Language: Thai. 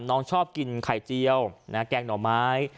น้องชอบกินไข่เจียวแกงหน่อไม้